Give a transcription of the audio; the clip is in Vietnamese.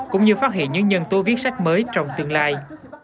cũng như phát hiện những nhân tố viết sách mới trong tương lai